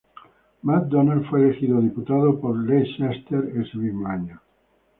MacDonald fue elegido diputado por Leicester ese mismo año.